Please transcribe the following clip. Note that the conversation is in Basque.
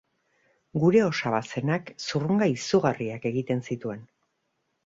Gure osaba zenak zurrunga izugarriak egiten zituen.